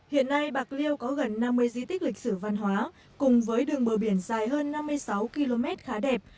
hiện nay bạc liêu có gần năm mươi di tích lịch sử văn hóa cùng với đường bờ biển dài hơn năm mươi sáu km khá đẹp